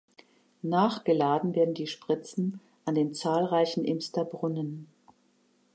Nachgeladen werden die Spritzen an den zahlreichen Imster Brunnen.